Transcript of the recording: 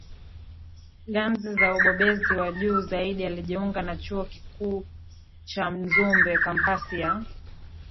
ngazi za ubobezi wa juu zaidi Alijiunga na Chuo Kikuu cha Mzumbe kampasi ya